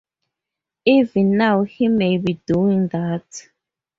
Even now he may be doing that.